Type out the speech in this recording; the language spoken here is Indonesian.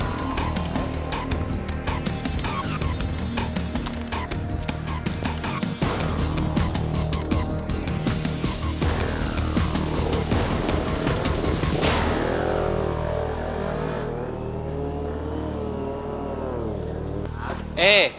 ayo semuanya cabut